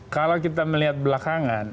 kalau kita melihat belakangan